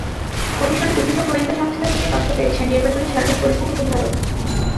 Commission বিভিন্ন গোয়েন্দা সংস্থা থেকে তথ্য পেয়েছে, নির্বাচনের সার্বিক পরিস্থিতি খুব ভালো।